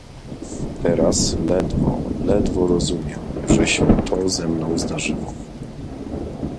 "Teraz ledwo, ledwo rozumiem, że się to ze mną zdarzyło."